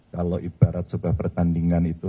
kalau ibarat sebuah pertandingan itu